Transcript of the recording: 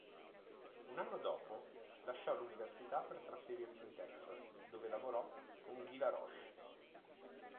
Un anno dopo, lasciò l'università per trasferirsi in Texas dove lavorò con Guy Laroche.